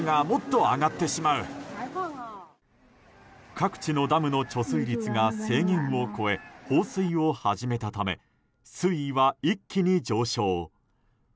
各地のダムの貯水率が制限を超え、放水を始めたため水位は一気に上昇。